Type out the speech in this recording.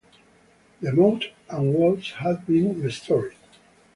The moat and walls have been restored.